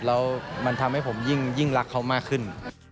แล้วมันทำให้ผมยิ่งรักเขามากขึ้น